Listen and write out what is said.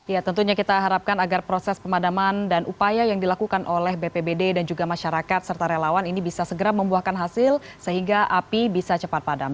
ya tentunya kita harapkan agar proses pemadaman dan upaya yang dilakukan oleh bpbd dan juga masyarakat serta relawan ini bisa segera membuahkan hasil sehingga api bisa cepat padam